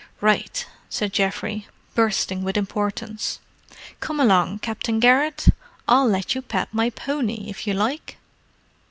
"Right!" said Geoffrey, bursting with importance. "Come along, Captain Garrett. I'll let you pat my pony, if you like!"